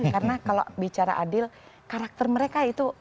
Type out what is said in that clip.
karena kalau bicara adil karakter mereka itu